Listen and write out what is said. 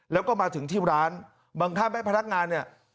แล้วก็มาถึงที่ร้านบังคับให้พนักงานเนี่ย